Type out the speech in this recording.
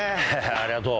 ありがとう。